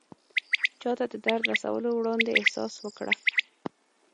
چاته د درد رسولو وړاندې احساس وکړه.